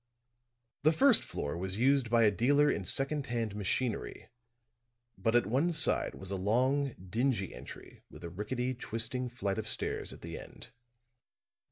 The first floor was used by a dealer in second hand machinery, but at one side was a long, dingy entry with a rickety, twisting flight of stairs at the end.